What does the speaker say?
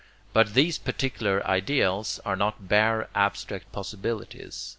But these particular ideals are not bare abstract possibilities.